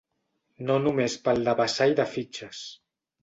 No només pel devessall de fitxes.